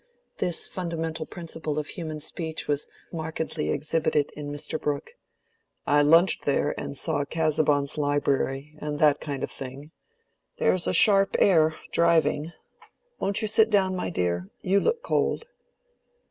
This fundamental principle of human speech was markedly exhibited in Mr. Brooke. "I lunched there and saw Casaubon's library, and that kind of thing. There's a sharp air, driving. Won't you sit down, my dear? You look cold."